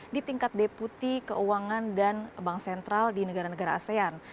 di tingkat deputi keuangan dan bank sentral di negara negara asean